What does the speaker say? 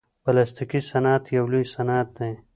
پلاستيکي صنعت یو لوی صنعت دی.